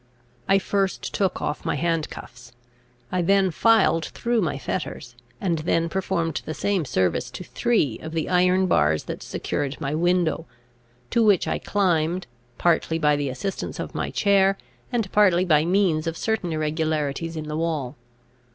I first took off my handcuffs. I then filed through my fetters; and next performed the same service to three of the iron bars that secured my window, to which I climbed, partly by the assistance of my chair, and partly by means of certain irregularities in the wall.